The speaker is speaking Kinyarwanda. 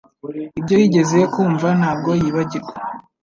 Ibyo yigeze kumva ntabwo yibagirwa